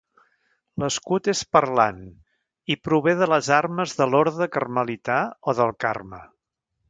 L'escut és parlant, i prové de les armes de l'orde carmelità, o del Carme.